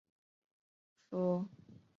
福建罗源人。